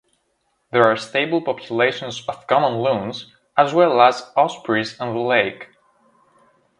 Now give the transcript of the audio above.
There are stable populations of Common Loons as well as Ospreys on the lake.